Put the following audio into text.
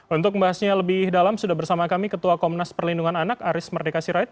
untuk membahasnya lebih dalam sudah bersama kami ketua komnas perlindungan anak aris merdeka sirait